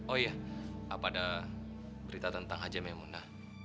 oh iya apa ada berita tentang hajem ya munda